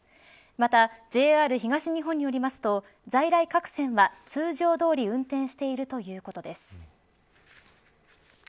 また、ＪＲ東日本によりますと在来各線は通常どおり運転しているということです。